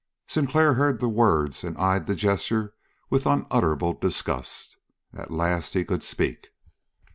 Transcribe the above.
Sinclair heard the words and eyed the gesture with unutterable disgust. At last he could speak.